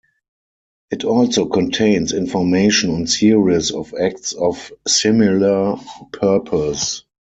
It also contains information on series of acts of similar purpose.